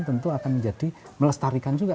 tentu akan menjadi melestarikan juga